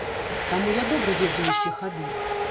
Таму я добра ведаю ўсе хады.